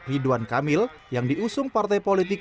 ridwan kamil yang diusung partai politik